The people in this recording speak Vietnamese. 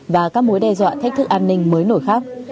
và các mối đe dọa thách thức an ninh mới nổi khác